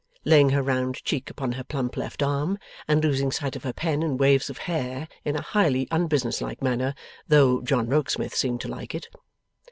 laying her round cheek upon her plump left arm, and losing sight of her pen in waves of hair, in a highly unbusiness like manner. Though John Rokesmith seemed to like it.